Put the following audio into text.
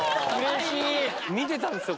見てたんすよ